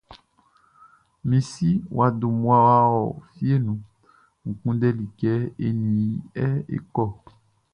Mi si wʼa dun mmua wʼa ɔ fieʼn nun N kunndɛli kɛ e nin i é kɔ́.